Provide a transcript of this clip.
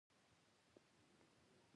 په داسې یو هېواد کې د تعجب خبره نه ده.